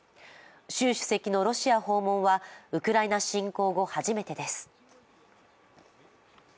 習主席のロシア訪問はウクライナ侵攻後、初めてです。